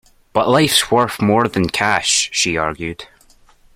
But life's worth more than cash, she argued.